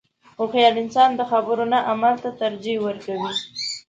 • هوښیار انسان د خبرو نه عمل ته ترجیح ورکوي.